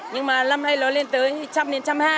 nhưng mà lâm nay nó lên tới một trăm linh đến một trăm hai mươi